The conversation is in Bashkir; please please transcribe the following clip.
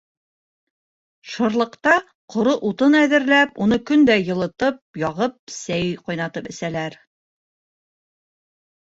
Шырлыҡта ҡоро утын әҙерләп, уны көн дә йылытып яғып, сәй ҡайнатып әсәләр.